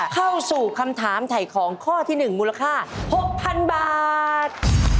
เข้าสู่คำถามถ่ายของข้อที่๑มูลค่า๖๐๐๐บาท